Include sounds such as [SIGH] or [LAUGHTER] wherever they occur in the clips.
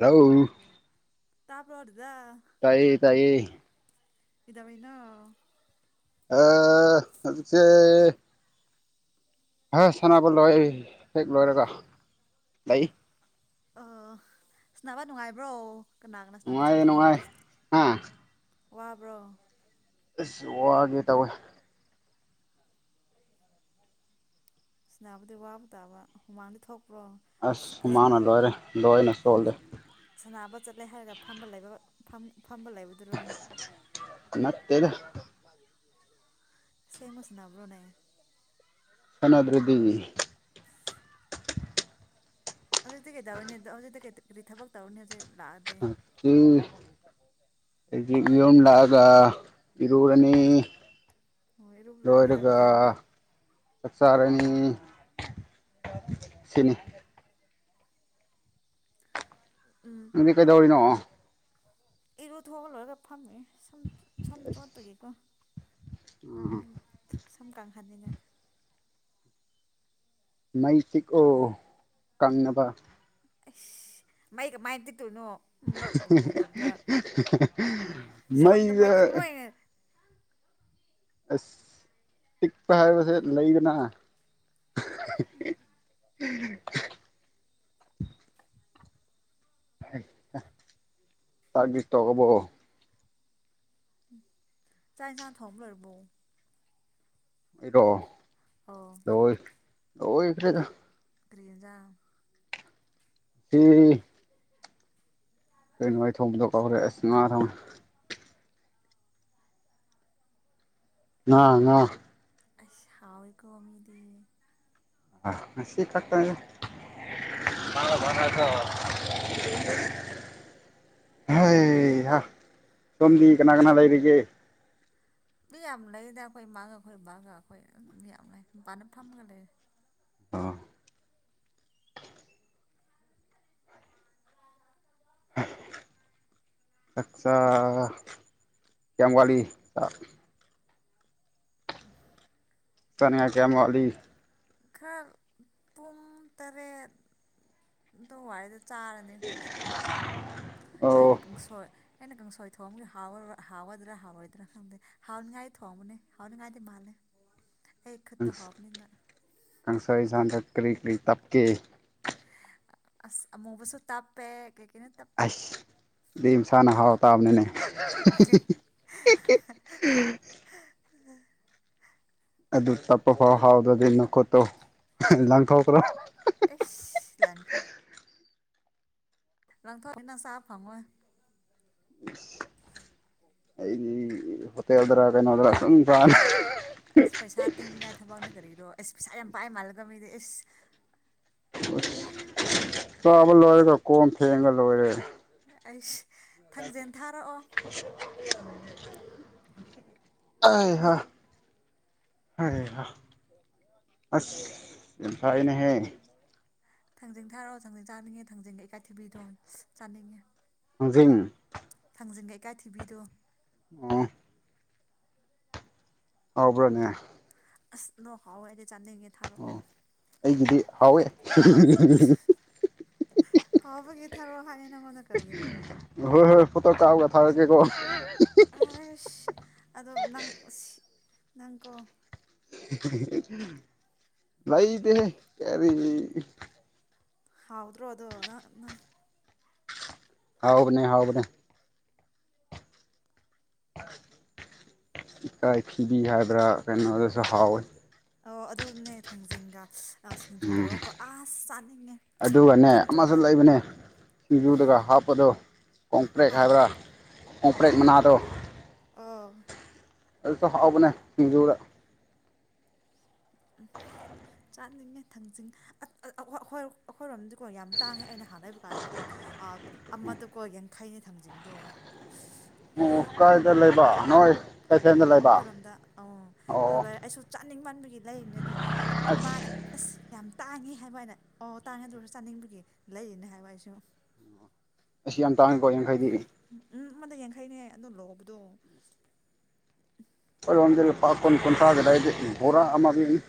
ꯍꯥꯜꯂꯣ ꯇꯕꯥꯔꯣ ꯇꯥꯏꯌꯦ ꯇꯌꯦ ꯀꯩꯗꯧꯔꯤꯅꯤ [UNINTELLIGIBLE] ꯍꯣꯏ ꯁꯥꯟꯅꯕꯣ ꯂꯣꯏ ꯑꯩ ꯍꯦꯛ ꯂꯣꯏꯔꯒ ꯂꯩ ꯑ ꯁꯥꯅꯕ ꯅꯨꯡꯉꯥꯏꯕ꯭ꯔꯣ ꯀꯅꯥ ꯀꯅꯥ ꯁꯅꯕ ꯅꯨꯪꯉꯥꯏ ꯆꯠꯂꯤꯅꯣ ꯅꯨꯪꯉꯥꯏ ꯋꯥꯕ꯭ꯔꯣ ꯑꯁ ꯋꯥꯒꯦ ꯇꯧꯋꯦ ꯁꯅꯥꯕꯗ ꯋꯥꯕ ꯇꯕ ꯍꯨꯃꯥꯡꯗꯤ ꯊꯣꯛ ꯑꯁ ꯁꯨꯃꯥꯟꯅꯂꯣꯏꯔꯦ ꯂꯣꯏꯅꯁꯣꯜꯂꯦ ꯁꯥꯟꯅꯕ ꯆꯠꯂꯦ ꯍꯥꯏꯔꯒ ꯐꯝꯕ ꯂꯩꯕ ꯐꯝ ꯐꯝꯕ ꯂꯩꯕꯗꯨꯔꯣ ꯅꯥꯏꯇꯦꯗꯥ ꯁꯤ ꯃꯁꯅꯥꯕ꯭ꯔꯣꯅꯦ ꯁꯅꯗ ꯔꯗꯤꯅꯤ ꯑꯩꯗꯤ ꯀꯩꯗꯧꯅꯤ ꯑ ꯀꯩ ꯀꯔꯤ ꯊꯕꯛ ꯇꯧꯅꯤ ꯑ ꯑꯆ ꯌꯨꯝ ꯂꯥꯛꯑꯒ ꯏꯔꯨꯅꯤ ꯑꯣ ꯏꯔꯨꯕ ꯂꯣꯏꯔ ꯀꯩꯗꯧ ꯂꯣꯏꯔꯒ ꯀꯩꯗꯧꯔꯅꯤ ꯆꯥꯛꯆꯥꯥꯅꯤ ꯎꯝ ꯁꯤꯅꯤ ꯅꯪꯗꯤ ꯀꯩꯗꯧꯔꯤꯅꯣ ꯏꯔ ꯊꯒꯂꯣꯏꯒ ꯐꯝꯃꯤ ꯁꯝ ꯁꯝ ꯑꯁ ꯆꯣꯠꯄꯒꯤꯀꯣ ꯎꯝ ꯁꯝ ꯀꯥꯡꯍꯟꯁꯤꯅ ꯃꯩ ꯆꯤꯛ ꯑꯣ ꯀꯪꯅꯕ ꯃꯥꯏꯒ ꯃꯥꯏ ꯁꯝꯗ ꯃꯩꯗ ꯃꯩꯇꯩ ꯂꯣꯏꯅ ꯑꯁ ꯇꯤꯛꯄ ꯍꯥꯏ ꯄꯁꯦ ꯂꯩꯗꯅ [UNINTELLIGIBLE] [UNINTELLIGIBLE] ꯇꯥꯛꯒꯤ ꯇ ꯀꯕꯣ ꯆꯥꯏ ꯆꯥ ꯊꯝ ꯂꯔꯔꯕꯧ ꯏꯗꯣ ꯑꯣ ꯍꯣꯏ ꯑꯣ ꯏꯈ꯭ꯔꯦꯗ ꯀ꯭ꯔꯖꯥ ꯍꯝ ꯀꯈ ꯅꯥꯏ ꯊꯣꯡꯝꯗ ꯀꯧꯔꯁꯤ ꯊ ꯑ ꯉ ꯑ ꯍꯥꯎ ꯑꯩꯀꯣ ꯃꯃꯤꯗ ꯁꯤ ꯊꯥ ꯇ ꯍ ꯆꯣꯟꯗꯤꯀ ꯀꯅꯥ ꯂꯩꯔꯤꯒꯦ ꯃꯤꯌꯥꯝ ꯂꯩꯗ ꯑꯩꯈꯣꯏ ꯃꯥꯒ ꯑꯩꯈꯣꯏ ꯕꯥꯒ ꯑꯩꯈꯣꯏ ꯃꯤꯌꯥꯝ ꯂꯩ ꯄꯅ ꯐꯝꯒ ꯂꯩꯔꯦ ꯑ ꯑꯆꯥꯥ ꯀꯋꯥꯂꯤ ꯁꯥ ꯅꯤꯌꯥ ꯀꯌꯥꯃꯂꯤ ꯈꯔ ꯄꯨꯡ ꯇꯔꯦꯠ ꯑꯗꯨ ꯋꯥꯏꯗ ꯆꯥꯔꯅꯤ ꯑꯩꯈꯣꯏꯁꯨ ꯑꯣ ꯑꯩꯅ ꯀꯥꯡꯁꯣꯏ ꯑꯩꯅ ꯀꯥꯡꯁꯣꯏ ꯊꯣꯡꯕꯒꯤ ꯍꯥꯎꯗ꯭ꯔꯥ ꯍꯥꯎꯔꯣꯏꯗ꯭ꯔꯥ ꯈꯪꯗꯦ ꯍꯥꯎꯅꯤꯉꯥꯏꯗꯤ ꯊꯣꯡꯕꯅꯦ ꯍꯥꯎꯅꯤꯡꯉꯥꯏꯗꯤ ꯃꯥꯜꯂꯦ ꯑꯦ ꯈꯠꯇ ꯍꯥꯕꯅꯤꯅ ꯀꯥꯡꯁꯣꯏ ꯁꯥꯡꯗ ꯀ꯭ꯔꯤ ꯀ꯭ꯔꯤ ꯇꯞꯀꯦ ꯑ ꯃꯨꯕꯁꯨ ꯇꯞꯦ ꯀ ꯏꯩꯅ ꯇꯞꯄ ꯑꯩꯁ ꯑꯗꯨ ꯃꯁꯥꯅ ꯍꯥꯎ ꯇꯥꯕꯅꯤꯅꯦ [INAUDIBLE] ꯑꯗꯨ ꯇꯞꯄ ꯐꯥꯎ ꯐꯥꯎꯗ꯭ꯔꯗꯤ ꯅꯈꯣꯠꯇꯧ ꯂꯪꯊꯣꯛꯄ꯭ꯔꯣ ꯑꯦꯁ ꯂꯥꯟꯊꯣꯛ ꯂꯪꯊꯣꯛꯕꯤꯅ ꯁꯥ ꯐꯪꯉꯣꯏ ꯑꯩꯗꯤ ꯍꯣꯠꯇꯦꯜꯗ꯭ꯔꯥ ꯀꯩꯅꯣꯗ꯭ꯔꯥ ꯁꯨꯝ ꯐ ꯑꯁ ꯄꯩꯁꯥ ꯇꯤꯟꯅꯤꯡꯉꯥꯏ ꯊꯕꯛꯅ ꯀꯔꯤꯔꯣ ꯑꯦꯁ ꯄꯩꯁꯥ ꯌꯥꯝ ꯄꯥꯏ ꯃꯥꯜꯂꯒ ꯃꯤꯗꯤ ꯑꯦ ꯑꯁ ꯆꯥꯕ ꯂꯣꯏꯔꯦꯒ ꯀꯣꯝ ꯊꯦꯡꯉ ꯂꯣꯏꯔꯦ ꯑ [INAUDIBLE] ꯑ ꯍ ꯍꯥꯏ ꯍ ꯑ ꯐꯥꯏꯅꯦꯍꯦ ꯊꯥꯡꯖꯤꯡ ꯊꯥꯔꯛꯑꯣ ꯊꯥꯡꯖꯤꯡ ꯆꯥꯅꯤꯡꯉꯦ ꯊꯥꯡꯖꯤꯡꯒꯦ ꯏꯀꯥꯏꯊꯕꯤꯗꯣ ꯆꯥꯅꯤꯡꯉꯦ ꯍꯧꯖꯤꯤꯡ ꯈꯥꯡꯖꯤꯟ ꯀꯩꯀꯥꯏ ꯊꯤꯕꯤꯗꯣ ꯑꯣ ꯍꯕ꯭ꯔꯅꯦ ꯑꯁ ꯅ ꯍꯋꯥꯏ ꯆꯥꯅꯤꯡꯉꯦ ꯊꯥꯔꯛꯑꯣ ꯍꯥꯎ [INAUDIBLE] ꯊꯔꯣ ꯍꯥꯏ ꯋꯥꯣꯟꯗ ꯀꯔꯤꯔꯣ ꯍꯣꯏ ꯍꯣꯏ ꯐꯣꯇꯣ ꯀꯥꯔꯒ ꯊꯥꯔꯛꯀꯦꯀꯣ ꯑ ꯑꯗꯣ ꯅꯪ ꯅꯪꯀꯣ ꯂꯩꯗꯦꯍꯦ ꯀꯔꯤꯒꯤ ꯍꯥꯎꯗ꯭ꯔꯣ ꯑꯗꯣ ꯅꯥꯛ ꯅ ꯍꯥꯎꯕꯅꯦ ꯍꯥꯎꯕꯅꯦ ꯏꯀꯥꯏ ꯊꯤꯕꯤ ꯍꯥꯏꯕ꯭ꯔꯥ ꯀꯩꯅꯣꯗꯁꯨ ꯍꯥꯎꯋꯦ ꯑꯣ ꯑꯗꯨꯅꯦ ꯊꯥꯡꯖꯤꯡꯒ ꯁꯤꯡꯖꯨ ꯎꯝ ꯇꯧꯔꯒꯀꯣ ꯑꯁ ꯆꯥꯅꯤꯡꯉꯦ ꯑꯗꯨꯒꯅꯦ ꯇꯤꯟ ꯑꯃꯁꯨ ꯆꯣꯠꯂꯦ ꯂꯩꯕꯅꯦ ꯀꯔꯤ ꯁꯤꯡꯖꯨꯗꯒ ꯍꯥꯞꯄꯗꯣ ꯀꯣꯡꯄ꯭ꯔꯦꯛ ꯍꯥ ꯍꯥꯏꯕ꯭ꯔꯥ ꯀꯣꯝꯄ꯭ꯔꯦꯛ ꯃꯅꯥꯗꯣ ꯑꯣ ꯑꯗꯨꯁꯨ ꯍꯥꯎꯕꯅꯦ ꯁꯤꯡꯖꯨꯒ ꯎꯝ ꯆꯥꯅꯤꯡꯉꯦ ꯊꯥꯡꯖꯤꯡ ꯑꯠ ꯑ ꯑꯈꯣꯏ ꯑꯩꯈꯣꯏꯔꯣꯝꯗꯤꯀꯣ ꯌꯥꯝ ꯇꯥꯡꯉꯦ ꯑꯩꯅ ꯍꯥꯟꯅ ꯂꯩꯕ ꯀꯥꯟꯗꯀꯣ ꯑꯃꯗꯀꯣ ꯌꯥꯡꯈꯩꯅꯦ ꯊꯥꯡꯖꯤꯡꯗꯣ ꯑꯁ ꯑꯣ ꯀꯥꯏꯗ ꯂꯩꯕ ꯅꯣꯏ ꯀꯩꯊꯦꯜꯗ ꯂꯩꯕ ꯑꯈꯣꯏꯔꯣꯝꯗ ꯑꯪ ꯑꯣ ꯑꯗꯣꯂꯢ ꯑꯩꯁꯨ ꯆꯥꯅꯤꯡꯃꯟꯕꯒꯤ ꯂꯩꯔꯤꯅꯦ ꯑꯗꯨꯝ ꯑꯁ ꯏꯃꯥꯅ ꯑꯁ ꯌꯥꯝ ꯇꯥꯡꯉꯤ ꯍꯥꯏꯕ ꯍꯥꯏꯅ ꯑꯣ ꯇꯥꯡꯉꯦ ꯑꯗꯨꯑꯣꯏꯁꯨ ꯆꯥꯅꯤꯡꯕꯒꯤ ꯂꯩꯔꯤꯅꯦ ꯍꯥꯏꯕ ꯑꯩꯁꯨ [UNINTELLIGIBLE] ꯇꯥꯡꯑꯦꯀꯣ ꯌꯥꯡꯈꯩꯗꯤ ꯎꯝ ꯑꯃꯗ ꯌꯥꯡꯈꯩꯅꯦ ꯑꯗꯨ ꯂꯣꯕꯗꯣ ꯈꯣꯏꯔꯣꯝꯒꯤ ꯂꯨꯄꯥ ꯀꯨꯟ ꯀꯨꯟꯊ꯭ꯔꯥꯒꯤ ꯂꯩꯗꯤ ꯚꯣꯔꯥ ꯑꯃꯒꯤꯅꯤ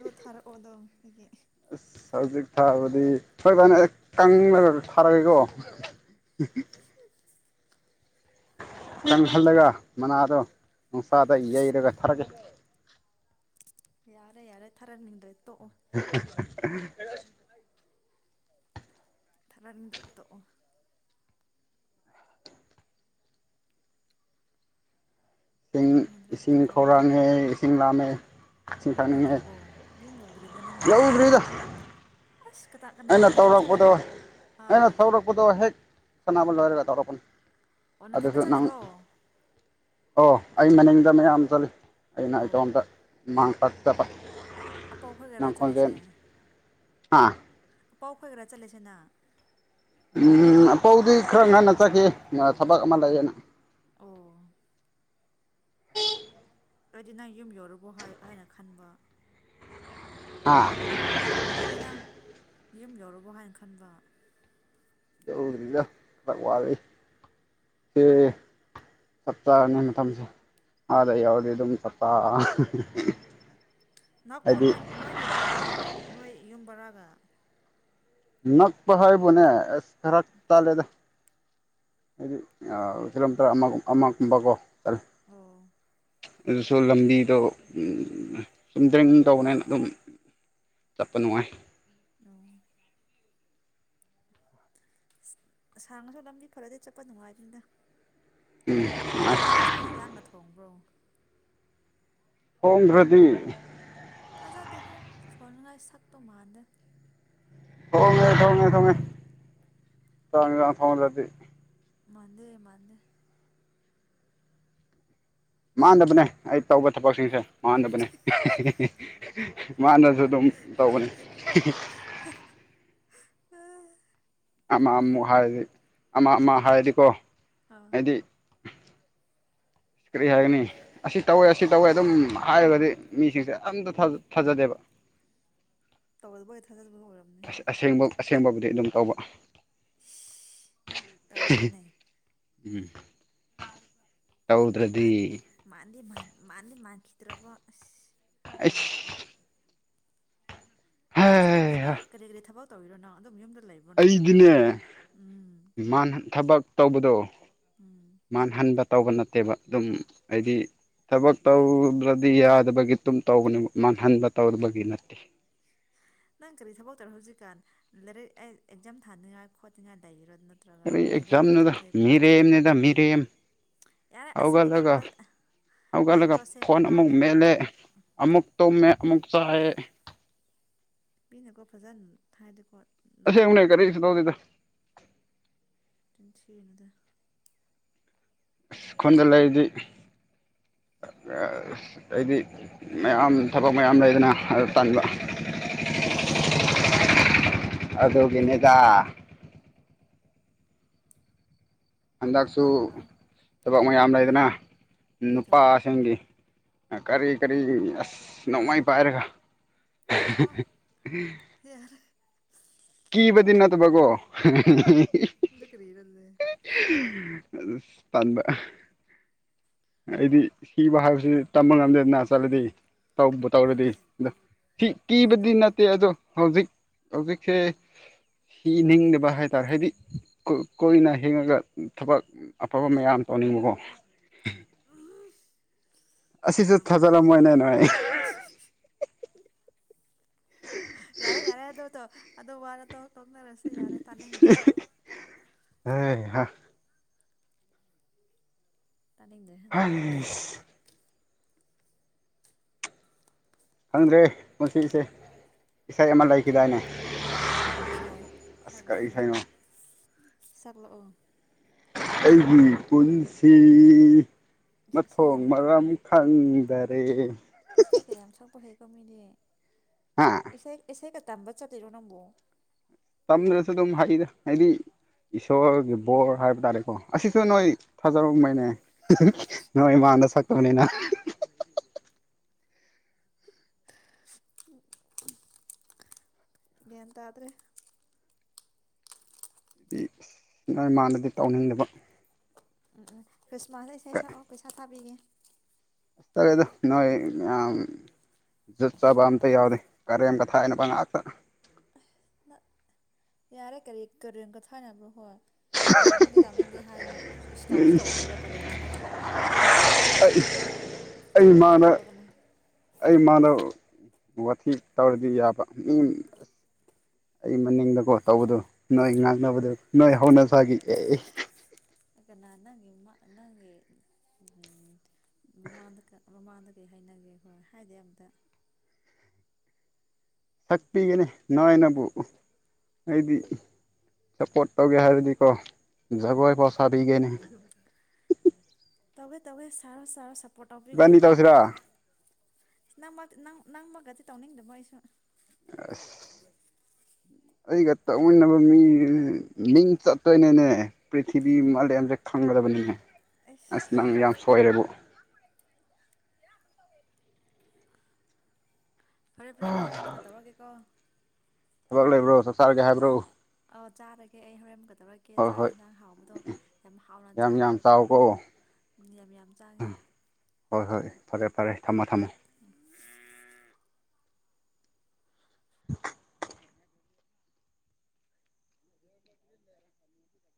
ꯑꯗꯣ ꯊꯥꯔꯛꯑꯣ ꯑꯗꯣ ꯑꯩꯒꯤ ꯑꯁ ꯍꯧꯖꯤꯛ ꯊꯥꯕꯗꯤ ꯇꯪꯅꯒ ꯊꯥꯔꯒꯦꯀꯣ ꯀꯪꯍꯜꯂꯒ ꯃꯅꯥꯗꯣ ꯅꯨꯡꯁꯥꯗ ꯌꯩꯔꯒ ꯊꯔꯒꯦ ꯌꯥꯔꯦ ꯌꯥꯔꯦ ꯊꯥꯔꯅꯤꯡꯗ꯭ꯔ [INAUDIBLE] [UNINTELLIGIBLE] [INAUDIBLE] ꯊꯥꯔꯛꯅꯤꯡꯗ꯭ꯔꯗꯤ ꯇꯣꯛꯑꯣ ꯏꯁꯤꯡ ꯊꯥꯔꯛꯅꯤꯡꯗ꯭ꯔꯦ ꯏꯁꯤꯡ ꯇꯣꯛꯑꯣ ꯈꯧꯔꯥꯉꯦ ꯏꯁꯤꯡ ꯂꯥꯝꯃꯦ [INAUDIBLE] ꯌꯨꯝ ꯊꯛꯅꯤꯡꯉꯦ ꯌꯧꯗ꯭ꯔꯤꯕꯣ ꯌꯨꯝ ꯌꯧꯗ꯭ꯔꯤꯕꯣ ꯅꯪꯕꯣ ꯌꯧꯗ꯭ꯔꯤꯗ ꯑꯁ ꯀꯅꯥ ꯀꯅꯥ ꯑꯩꯅ ꯅꯊꯟ ꯇꯧꯔꯛꯄꯗꯣ ꯆꯠꯂꯤꯔꯣ ꯑꯩꯅ ꯑꯥ ꯊꯧꯔꯛꯄꯗꯣ ꯍꯦꯛ ꯁꯅꯥꯕ ꯂꯣꯏꯔꯒ ꯇꯧꯔꯛꯄꯅꯦ ꯑꯣ ꯅꯊꯟꯗ ꯆꯠꯂꯤꯔꯣ ꯑꯣ ꯑꯩ ꯃꯅꯤꯡꯗ ꯃꯌꯥꯝ ꯆꯠꯂꯤ ꯑꯩꯅ ꯏꯇꯣꯝꯇ ꯃꯥꯡ ꯇꯥꯛꯆꯕ ꯑꯄꯧ ꯈꯣꯢꯒꯔ ꯆꯠꯂꯤꯁꯦ ꯍꯥꯥ ꯑꯄꯧ ꯈꯣꯏꯒꯔ ꯆꯠꯂꯁꯤꯅ ꯎꯝ ꯑꯄꯧꯗꯤ ꯈꯔ ꯉꯟꯅ ꯆꯠꯈꯤꯌꯦ ꯃꯥ ꯊꯕꯛ ꯑꯃ ꯂꯩꯌꯦꯅ ꯑꯣ ꯑꯩꯗꯤ ꯅꯪ ꯌꯨꯝ ꯌꯧꯔꯕꯣ ꯍꯥꯏ ꯍꯥꯏꯅ ꯈꯟꯕ ꯑꯥ ꯑꯩꯗꯤ ꯅꯪ ꯌꯨꯝ ꯌꯧꯔꯕꯣ ꯍꯥꯏꯅ ꯈꯟꯕ ꯌꯧꯗ꯭ꯔꯤꯗ ꯈꯔ ꯋꯥꯠꯂꯤ ꯁꯦ ꯆꯞ ꯆꯥꯅꯤ ꯃꯇꯝꯁꯦ ꯑꯥꯗ ꯌꯥꯎꯔꯗꯤ ꯑꯗꯨꯝ ꯆꯞꯆꯥ ꯅꯅꯥꯥꯛꯄꯨ ꯅꯣꯏ ꯅꯣꯏꯒꯤ ꯒ꯭ꯔꯥꯎꯟꯒ ꯅꯣꯏ ꯌꯨꯝꯕꯔꯥꯒ ꯅꯥꯛꯄ ꯍꯔꯕꯣꯅꯦ ꯐꯔꯥꯛ ꯇꯥꯂꯦꯗ ꯍꯥꯏ ꯑꯣ ꯀꯤꯂꯂꯝꯝꯇꯔ ꯑꯃ ꯑꯃꯛ ꯀꯣ ꯆ ꯑꯣ ꯑꯗꯨꯁꯨ ꯂꯝꯕꯤꯗꯣ ꯆꯨꯝ ꯗ꯭ꯔꯡ ꯇꯧꯕꯅꯦꯅ ꯑꯗꯨꯝ ꯆꯠꯄ ꯅꯨꯡꯉꯥꯏ ꯑ ꯑꯁꯥꯡꯉꯁꯨ ꯂꯝꯕꯤ ꯐꯔꯗꯤ ꯆꯠꯄ ꯅꯨꯡꯉꯥꯏꯇꯅꯤꯗ ꯅꯪꯗꯤ ꯆꯥꯛ ꯌꯦꯟꯖꯥꯡꯒ ꯊꯣꯡꯕ꯭ꯔꯣ ꯍꯣꯡꯣꯡꯗ꯭ꯔꯗꯤ ꯄꯗꯦ ꯍꯦ ꯊꯣꯅꯉꯥꯏ ꯁꯛꯄꯣ ꯃꯥꯟꯗ ꯊꯉꯦ ꯊꯣꯡꯉꯦ ꯊꯃꯦ ꯇ ꯊꯣꯟꯗꯤ ꯃꯗꯦ ꯃꯗꯦ ꯃꯗꯕꯅꯦ ꯑꯩ ꯇꯧꯕ ꯊꯕꯛꯁꯤꯡꯁꯦ ꯃꯍꯥꯟꯗꯕꯅꯦ ꯃꯥꯅꯁꯨ ꯑꯗꯨꯝ ꯇꯧꯕꯅꯤ ꯑꯃ ꯑꯃꯨ ꯍꯥꯏꯗꯤ ꯑꯃ ꯑꯃ ꯍꯥꯏꯔꯗꯤꯀꯣ ꯑꯥ ꯍꯥꯏꯗꯤ ꯀꯔꯤ ꯍꯥꯏꯒꯅꯤ ꯑꯁꯤ ꯇꯧꯋꯦ ꯑꯁꯤ ꯇꯧꯋꯦ ꯑꯗꯨꯝ ꯍꯥꯏꯔꯒꯗꯤ ꯃꯤꯁꯤꯡꯁꯦ ꯑꯝꯇ ꯊꯥꯖꯗꯦꯕ ꯇꯧꯏ ꯑꯁꯦꯡꯕ ꯁꯦꯝꯕꯕꯨꯗꯤ ꯑꯗꯨꯝ ꯇꯧꯕ ꯌꯥꯎꯕ꯭ꯔꯅꯦ ꯎꯝ ꯇꯧꯗ꯭ꯔꯗꯤ ꯃꯥꯜꯂꯤ ꯃꯥꯟꯈꯤꯗ꯭ꯔꯕ ꯑ ꯑꯁ ꯂ ꯍꯧꯖꯤꯦ ꯀꯪꯒꯦ ꯀꯔꯤ ꯀꯔꯤ ꯊꯕ ꯇꯧꯔꯅ ꯃꯨꯝꯗ ꯑꯩꯗꯤꯅꯦ ꯊꯕꯛ ꯇꯧꯕꯗꯣ ꯎꯝ ꯃꯥꯟ ꯍꯥꯟꯗ ꯇꯧꯕ ꯅꯠꯇꯦꯕ ꯑꯗꯨꯝ ꯍꯥꯏꯗꯤ ꯊꯕꯛ ꯇꯧꯗ꯭ꯔꯗꯤ ꯌꯥꯗꯕꯒꯤ ꯑꯗꯨꯝ ꯇꯧꯧꯕꯅꯦꯕ ꯃꯥꯡꯍꯟꯕ ꯇꯧꯗꯕꯒꯤ ꯅꯠꯇꯦ ꯅꯪ ꯀꯔꯤ ꯊꯕꯛ ꯇꯧꯔ ꯍꯧꯖꯤꯛꯀꯥꯟ ꯂꯥꯏꯔꯤꯛ ꯑꯩ ꯑꯦꯛꯖꯥꯝ ꯊꯥꯅꯤꯡꯉꯥꯏ ꯈꯣꯠꯠꯇꯉꯥꯏ ꯂꯩꯔꯣ ꯀ ꯑꯦꯛꯖꯥꯝꯗꯨꯗ ꯃꯤꯔꯦꯝꯅꯤꯗ ꯃꯤꯔꯦꯝ ꯌꯥꯔꯦ ꯑꯁ ꯃꯤꯅꯀꯣ ꯍꯧꯒꯠꯂꯒ ꯍꯧꯒꯠꯂꯒ ꯃꯤꯅꯀꯣ ꯑꯁꯦꯡꯕ ꯐꯣꯟ ꯑꯃꯨꯛ ꯉꯥꯡꯉꯗꯤꯀꯣ ꯃꯦꯠꯂꯦ ꯑꯗꯨꯝ ꯑꯃꯨꯛꯇꯣ ꯑꯃꯨꯛꯆꯥ ꯍꯥꯏꯌꯦ ꯅꯨꯄꯤꯅꯀꯣ ꯐꯖꯟ ꯊꯥꯏꯗꯤꯀꯣ ꯑꯁꯦꯡꯕꯅꯦ ꯀꯔꯤꯁꯨ ꯇꯧꯗꯦꯗ [INAUDIBLE] ꯑꯗꯨꯟ ꯊꯤꯅꯨꯗ ꯑꯁ ꯈꯨꯟꯗ ꯂꯩꯔꯗꯤ ꯑ ꯑ ꯑꯩꯗꯤ ꯃꯌꯥꯝ ꯊꯕꯛ ꯃꯌꯥꯝ ꯂꯩꯗꯅ ꯑꯗꯣ ꯇꯟꯕ ꯑꯗꯨꯒꯤꯅꯤꯗ ꯍꯟꯗꯛꯁꯨ ꯂꯥꯛꯑꯣ ꯂꯥꯛꯑꯣ ꯊꯕꯛ ꯀꯔꯤ ꯃꯌꯥꯝ ꯂꯩꯗꯅ ꯀꯔꯤ ꯊꯕꯛ ꯅꯨꯄꯥꯁꯤꯡꯒꯤ ꯀꯔꯤ ꯀꯔꯤꯒꯤ ꯑꯁ ꯅꯣꯡꯃꯩ ꯄꯥꯏꯔꯒ ꯍꯦ ꯍꯦ ꯑꯣ ꯍꯦ ꯍꯦꯍ ꯌꯥꯔꯦ ꯀꯤꯕꯗꯤ ꯅꯠꯇꯕꯒꯣ ꯍ ꯍꯤ ꯍꯤ ꯑꯗꯨ ꯀ꯭ꯔꯤꯔ ꯑꯗꯨꯗꯤ ꯑꯁ ꯇꯟꯕ ꯑꯩꯗꯤ ꯁꯤꯕ ꯍꯥꯏꯕꯁꯤ ꯇꯝꯕ ꯉꯝꯗꯦꯗꯅ ꯆꯠꯂꯗꯤ ꯇꯧꯕꯨ ꯇꯧꯔꯗꯤ ꯑꯗꯣ ꯁꯤ ꯌꯥꯔꯦ ꯀꯤꯕꯗꯤ ꯇꯣꯛꯈ꯭ꯔꯣ ꯅꯠꯇꯦ ꯑꯗꯣ ꯍꯧꯖꯤꯛ ꯑꯣꯕꯤꯈꯦ ꯍꯤꯅꯤꯡꯗꯕ ꯍꯥꯏꯇꯥꯥꯔꯦ ꯍꯥꯏꯗꯤ ꯀꯨ ꯀꯨꯏꯅ ꯍꯤꯡꯉꯒ ꯊꯕꯛ ꯑꯐꯕ ꯃꯌꯥꯝ ꯇꯧꯅꯤꯡꯕꯀꯣ ꯑꯁꯤꯁꯨ ꯊꯥꯖꯔꯝꯃꯣꯏꯅꯦ ꯅꯣꯏ [UNINTELLIGIBLE] ꯍꯍ ꯌꯥꯔꯦ ꯌꯥꯔꯦ ꯑꯗꯣ ꯇꯣ ꯑꯗꯣ ꯋꯥꯔ ꯇꯣꯛ ꯇꯣꯛꯅꯔꯁꯦ ꯌꯥꯔꯦ ꯇꯥꯅꯤꯡꯗ꯭ꯔꯦ ꯇꯥꯅꯤꯡꯗ꯭ꯔꯦ ꯑꯗꯨ ꯋꯥꯗꯣ ꯍꯩꯁ ꯈꯪꯗ꯭ꯔꯦ ꯄꯨꯟꯁꯤꯆꯦ ꯏꯁꯩ ꯑꯃ ꯂꯩꯈꯤꯗꯥꯏꯅꯦ ꯀ꯭ꯔꯤ ꯏꯁꯩ ꯑꯁ ꯀꯔꯤ ꯁꯛꯂꯛꯑꯣꯅꯦ ꯏꯁꯩꯅꯣ ꯁꯛꯂꯛꯑꯣ ꯑꯩꯒꯤ ꯄꯨꯟꯁꯤ ꯏꯁꯩ ꯃꯊꯣꯡ ꯌꯥꯝ ꯃꯔꯝ ꯈꯪꯗꯔꯦ ꯏꯁꯩꯒ ꯌꯥꯝ ꯁꯛꯄ ꯍꯩ ꯀꯣ ꯃꯤꯗꯤ ꯍꯥ ꯏꯁꯩ ꯏꯁꯩ ꯀꯠ ꯇꯝꯕ ꯆꯠꯇꯣꯏꯔꯣ ꯅꯪꯕꯣ ꯇꯝꯗ꯭ꯔꯁꯨ ꯑꯗꯨꯝ ꯍꯩꯗ ꯍꯥꯏꯗꯤ ꯏꯁꯣꯔꯒꯤ ꯕꯣꯔ ꯍꯥꯏꯕ ꯇꯥꯔꯦꯀꯣ ꯑꯁꯤꯁꯨ ꯅꯣꯏ ꯊꯥꯖꯔꯝꯃꯣꯏꯅꯦ ꯍꯨꯡ ꯍꯨꯡ ꯅꯣꯏ ꯃꯥꯡꯗ ꯁꯛꯇꯕꯅꯤꯅ ꯍꯍ ꯍꯤ ꯍꯤ ꯍꯤ [UNINTELLIGIBLE] ꯒ꯭ꯌꯥꯟ ꯇꯥꯗ꯭ꯔꯦ ꯅꯣꯏ ꯃꯥꯡꯗꯗꯤ ꯇꯧꯅꯤꯡꯗꯕ ꯎꯝ ꯎꯝ ꯈ꯭ꯔꯤꯁꯃꯥꯁꯇ ꯏꯁꯩ ꯁꯛꯑꯣ ꯄꯩꯁꯥ ꯊꯥꯕꯤꯒꯦ ꯑꯁ ꯇꯜꯂꯦꯗ ꯅꯣꯏ ꯃꯌꯥꯝ ꯖꯨꯠ ꯆꯥꯕ ꯑꯝꯇ ꯌꯥꯎꯗꯦ ꯀꯔꯦꯝ ꯀꯊꯥꯏꯅꯕ ꯉꯥꯛꯇ ꯌꯥꯔꯦ ꯀꯔꯤ ꯀꯔꯦꯝ ꯀꯊꯥꯏꯅꯕ꯭ꯔꯣ ꯑꯈꯣꯏ ꯇꯧꯅꯤꯡꯗꯦ ꯇꯧꯅꯤꯡꯗꯦ ꯍꯥꯏꯌꯨ ꯁꯤꯏꯁ ꯇꯧꯁꯨ ꯇꯧꯗ꯭ꯔꯒ ꯀꯔꯦꯝ ꯀꯊꯥꯏꯅꯩ ꯍꯦ ꯀꯥꯅ ꯑꯩ ꯑꯩ ꯏꯃꯥꯡꯗ ꯇꯧꯔꯒꯅꯨ ꯑꯩ ꯏꯃꯥꯗꯣ ꯋꯥꯊꯤ ꯇꯧꯔꯗꯤ ꯌꯥꯕ ꯃꯤ ꯑꯁ ꯑꯩ ꯃꯅꯤꯡꯗꯀꯣ ꯇꯧꯕꯗꯣ ꯅꯣꯏ ꯉꯥꯡꯅꯕꯗꯣ ꯅꯣꯏ ꯍꯧꯅꯁꯥꯥꯒꯤ ꯑꯦ ꯀꯅꯥ ꯅꯪꯒꯤ ꯅꯃꯥ ꯅꯪꯒꯤ ꯎꯝ ꯎꯝ ꯃꯥꯡꯗ ꯀ ꯃꯃꯥꯡꯗ ꯀ꯭ꯔꯤ ꯍꯥꯏꯅꯒꯦ ꯑꯈꯣꯏ ꯍꯥꯏꯗꯦ ꯑꯝꯇ ꯁꯛꯄꯤꯒꯦꯅꯦ ꯅꯣꯏꯅꯕꯨ ꯍꯥꯏꯗꯤ ꯁꯄꯣꯔꯠ ꯇꯧꯒꯦ ꯍꯥꯏꯔꯗꯤꯀꯣ ꯖꯒꯣꯏ ꯐꯥꯎ ꯁꯥꯕꯤꯒꯦꯅꯤ ꯍꯤ ꯍꯤ ꯇꯧꯒꯦ ꯇꯧꯒꯦ ꯁꯥꯔꯣ ꯁꯥꯔꯣ ꯁꯞ ꯏꯕꯥꯅꯤ ꯇꯧꯁꯤꯔꯥ ꯅꯪꯃꯛꯇꯤ ꯅꯪ ꯅꯪ ꯃꯛꯀꯗꯤ ꯇꯧꯅꯤꯡꯗꯕ ꯑꯩꯁꯨ ꯑꯁ ꯑꯩꯒ ꯇꯧꯃꯤꯟꯅꯕ ꯃꯤ ꯃꯤꯡ ꯆꯠꯇꯣꯏꯅꯦꯅꯦ ꯄ꯭ꯔꯤꯊꯤꯕꯤ ꯃꯥꯂꯦꯝꯖꯦ ꯈꯪꯒꯗꯕꯅꯤꯅꯦ ꯑꯩꯁ ꯑꯁ ꯅꯪ ꯌꯥꯝ ꯁꯣꯏꯔꯦꯕꯨ ꯐꯔꯦ ꯐ꯭ꯔꯦ ꯑꯩ ꯍꯣꯔꯦꯟ ꯃꯨꯛꯀ ꯇꯧꯔꯒꯦꯀꯣ ꯊꯕꯛ ꯂꯩꯕ꯭ꯔꯣ ꯆꯥꯛ ꯆꯥꯔꯒꯦ ꯍꯥꯏꯕ꯭ꯔꯣ ꯑꯥꯎ ꯆꯥꯔꯒꯦ ꯑꯩ ꯍꯧꯔꯦꯟꯃꯨꯛꯀ ꯇꯧꯔꯛꯀꯦ ꯍꯣꯏ ꯆꯥꯛ ꯍꯣꯏ ꯍꯦꯟꯖꯥꯡ ꯍꯥꯎꯕꯗꯣ ꯌꯥꯝ ꯍꯥꯎꯅ ꯌꯥꯝ ꯌꯥꯝ ꯆꯥꯔꯒꯀꯣ ꯆꯥꯎꯀꯣ ꯎꯝ ꯌꯥꯝ ꯌꯥꯝ ꯆꯥꯒꯦ ꯍꯣꯏ ꯍꯣꯏ ꯊꯝ ꯐꯔꯦ ꯐꯔꯦ ꯊꯝꯃꯣ ꯊꯝꯃꯣ ꯎꯝ